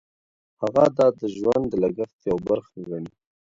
هغه دا د ژوند د لګښت یوه برخه ګڼي.